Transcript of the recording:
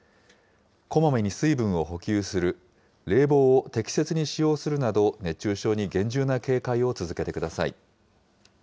こまめに水分を補給する、冷房を適切に使用するなど、熱中症に厳重な警戒を続けてください。